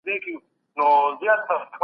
حضوري زده کړه د زده کوونکو ګډون زيات کړی دی.